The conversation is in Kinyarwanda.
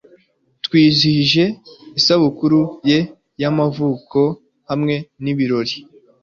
Twizihije isabukuru ye y'amavuko hamwe n'ibirori.